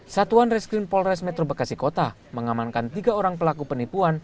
satuan reskrim polres metro bekasi kota mengamankan tiga orang pelaku penipuan